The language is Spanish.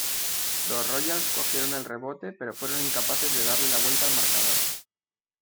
Los Royals cogieron el rebote, pero fueron incapaces de darle la vuelta al marcador.